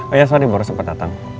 oh ya sorry baru sempat datang